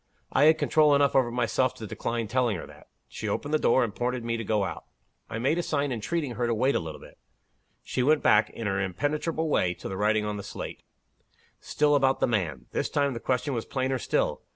I had control enough over myself to decline telling her that. She opened the door, and pointed to me to go out. I made a sign entreating her to wait a little. She went back, in her impenetrable way, to the writing on the slate still about the 'man.' This time, the question was plainer still.